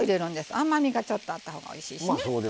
甘みがちょっとあった方がおいしいしね。